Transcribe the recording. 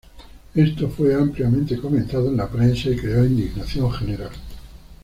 Esto fue ampliamente comentado en la prensa y creó indignación general.